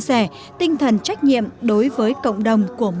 sẻ tinh thần trách nhiệm đối với cộng đồng của mỗi con người